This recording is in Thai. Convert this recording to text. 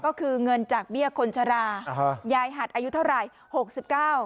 ก็คือเงินจากเบี้ยคนชราอ่าฮะยายหัดอายุเท่าไหร่หกสิบเก้า